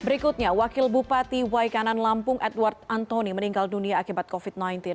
berikutnya wakil bupati waikanan lampung edward antoni meninggal dunia akibat covid sembilan belas